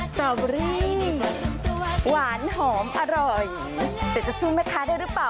สตรอเบอรี่หวานหอมอร่อยแต่จะซุ่มนะคะได้หรือเปล่า